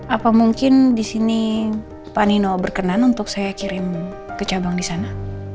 apa mungkin di sini pak nino berkenan untuk saya kirim ke cabang di sana